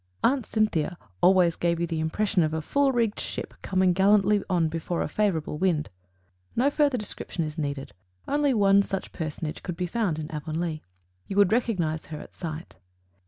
Aunt Cynthia "always gave you the impression of a full rigged ship coming gallantly on before a favorable wind;" no further description is needed only one such personage could be found in Avonlea. You would recognize her at sight.